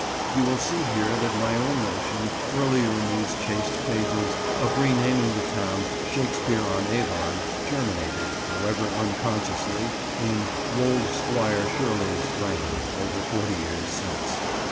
You will see here that my own notion, earlier in these chaste pages, of re naming the town "Shakespeare on Avon" germinated, however unconsciously, in "wold Squire Shirley's" brain, over forty years since.